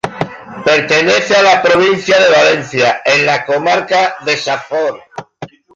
Pertenece a la provincia de Valencia, en la comarca de la Safor.